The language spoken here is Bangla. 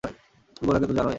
গোরাকে তো জানই।